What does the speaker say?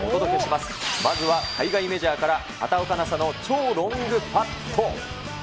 まずは海外メジャーから畑岡奈紗の超ロングパット。